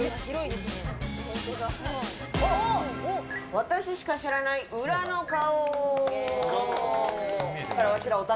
私しか知らない裏の顔。